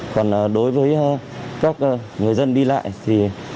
còn đối với các người dân đi lại